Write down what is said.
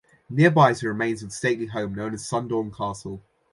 Nearby is the remains of the stately home known as Sundorne Castle.